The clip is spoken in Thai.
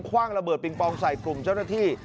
ว่างระเบิดปิงปองใส่กลุ่มเจ้าหน้าที่